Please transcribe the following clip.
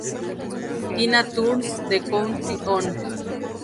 Tina Turns the Country On!